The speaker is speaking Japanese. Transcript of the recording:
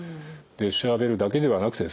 調べるだけではなくてですね